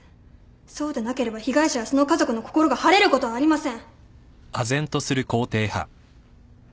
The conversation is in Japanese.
そうでなければ被害者やその家族の心が晴れることはありません。